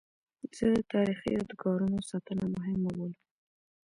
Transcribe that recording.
زه د تاریخي یادګارونو ساتنه مهمه بولم.